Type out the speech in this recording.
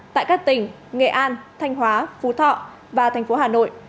tại các tỉnh nghệ an thanh hóa phú thọ và thành phố hà nội